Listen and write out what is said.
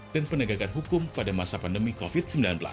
penegakan hukum pada masa pandemi covid sembilan belas